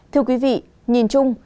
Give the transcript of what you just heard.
thưa quý vị nhìn chung